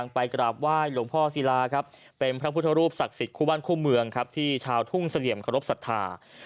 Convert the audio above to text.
เป็นพระพุทธรูปศักดิ์สิทธิ์คู่บ้านคู่เมืองที่ชาวทุ่งเสลี่ยมครบศรัทธา